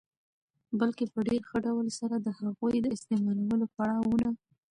بلکي په ډېر ښه ډول سره د هغوی د استعمالولو پړا وونه